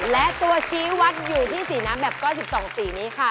และตัวชี้วัดอยู่ที่สีน้ำแบบ๙๒สีนี้ค่ะ